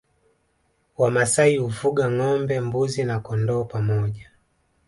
Wamasai hufuga ngombe mbuzi na kondoo pamoja